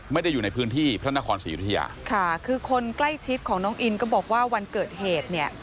อยู่ในพื้นที่พระนครศรียุธยาค่ะคือคนใกล้ชิดของน้องอินก็บอกว่าวันเกิดเหตุเนี่ย